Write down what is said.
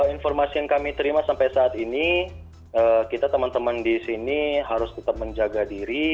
informasi yang kami terima sampai saat ini kita teman teman di sini harus tetap menjaga diri